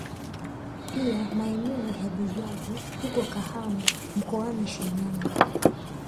Pia maeneo ya Buzwagi huko Kahama mkoani Shinyanga